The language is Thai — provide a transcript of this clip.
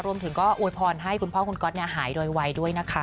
รวมถึงก็อวยพรให้คุณพ่อคุณก๊อตหายโดยไวด้วยนะคะ